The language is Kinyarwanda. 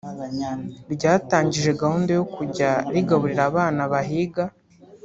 ryatangije gahunda yo kujya rigaburira abana bahiga